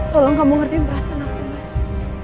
tolong kamu ngertiin perasaan aku mas